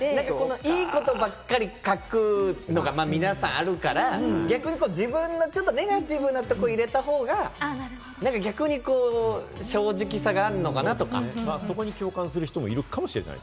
いいことばっかり書くのが皆さんあるから、逆に自分のちょっとネガティブなところを入れたほうがそこに共感する人もいるかもしれない。